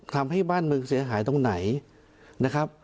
ทำให้บ้านเมืองเสียหายตรงไหนนะครับ